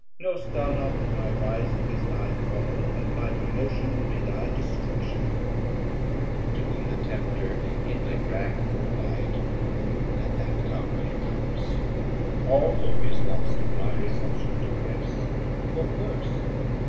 200 Know'st thou not that my rising is thy fall, And my promotion will be thy destruction? To whom the Tempter inly rackt reply'd. Let that come when it comes; all hope is lost Of my reception into grace; what worse?